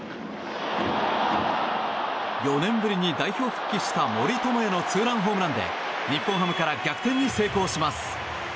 ４年ぶりに代表復帰した森友哉のツーランホームランで日本ハムから逆転に成功します。